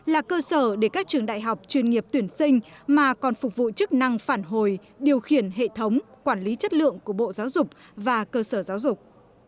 là cơ sở để các trường đại học chuyên nghiệp tuyển sinh mà còn phục vụ chức năng phản hồi điều khiển hệ thống quản lý chất lượng của bộ giáo dục và cơ sở giáo dục